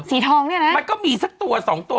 สีทองเนี่ยนะมันก็มีสักตัวสองตัว